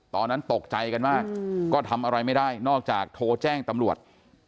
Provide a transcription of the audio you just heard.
ตอนนั้นตกใจกันมากก็ทำอะไรไม่ได้นอกจากโทรแจ้งตำรวจ